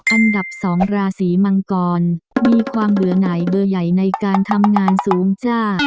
อันดับ๒ราศีมังกรมีความเบื่อไหนเบอร์ใหญ่ในการทำงานสูงจ้า